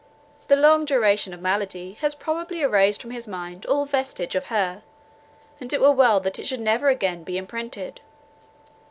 The long duration of his malady has probably erased from his mind all vestige of her; and it were well that it should never again be imprinted.